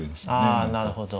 ああなるほど。